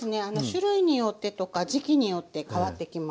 種類によってとか時期によってかわってきます。